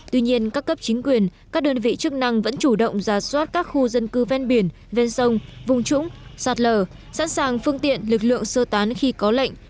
tuy nhiên các cấp chính quyền các đơn vị chức năng vẫn chủ động ra soát các khu dân cư ven biển ven sông vùng trũng sạt lở sẵn sàng phương tiện lực lượng sơ tán khi có lệnh